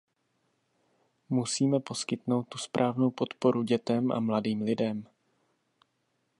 Musíme poskytnout tu správnou podporu dětem a mladým lidem.